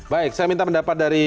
baik saya minta pendapat dari